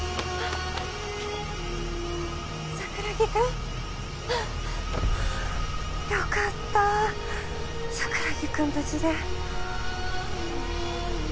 桜木くん？よかった桜木くん無事で。